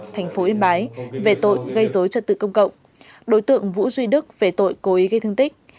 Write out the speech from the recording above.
thành phố yên bái về tội gây dối trật tự công cộng đối tượng vũ duy đức về tội cố ý gây thương tích